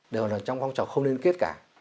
đều là trong công trọng không liên kết cả